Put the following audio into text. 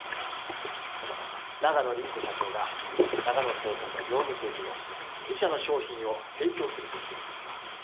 そこの永野凛子社長がながの製菓と業務提携をし自社の商品を提供すると言ってるんですよ。